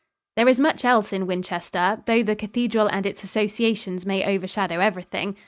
There is much else in Winchester, though the cathedral and its associations may overshadow everything.